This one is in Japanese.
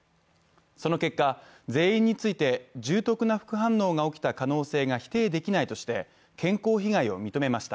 その結果、全員について重篤な副反応が起きた可能性が否定できないとして、健康被害を認めました。